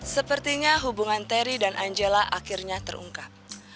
sepertinya hubungan terry dan angela akhirnya terungkap